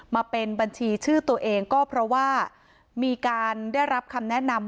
มาเป็นบัญชีชื่อตัวเองก็เพราะว่ามีการได้รับคำแนะนำ